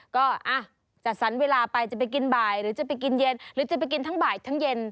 ก็จัดสรรเวลาไปจะไปกินบ่ายหรือจะไปกินเย็นหรือจะไปกินทั้งบ่ายทั้งเย็น